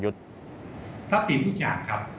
ทรัพย์สินทุกอย่างครับ